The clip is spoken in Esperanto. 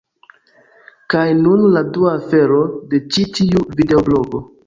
Kaj nun la dua afero, de ĉi tiu videoblogo